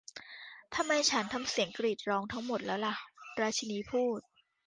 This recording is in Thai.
'ทำไมฉันทำเสียงกรีดร้องทั้งหมดแล้วล่ะ' ราชินีพูด